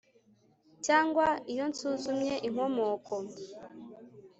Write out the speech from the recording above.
Cyangwa iyo nsuzumye inkomoko